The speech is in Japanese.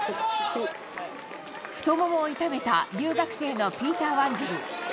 太ももを痛めた、留学生のピーター・ワンジル。